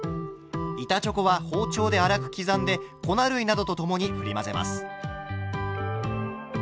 板チョコは包丁で粗くきざんで粉類などと共にふり混ぜます。